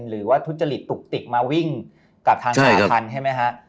หรือว่าทุจริตตุกติกมาวิ่งกับทางสายพันธุ์ใช่ไหมฮะ